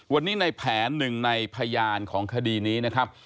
วันนี้ในแผนหนึ่งในพยานของคดีนี้นะครับ